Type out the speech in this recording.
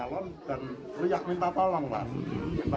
dan teriak minta tolong pak